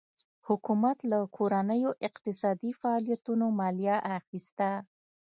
حکومت له کورنیو اقتصادي فعالیتونو مالیه اخیسته.